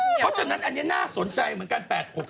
เพราะฉะนั้นอันนี้น่าสนใจเหมือนกัน